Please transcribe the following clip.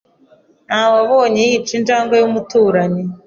Nawebonye yica injangwe yumuturanyi.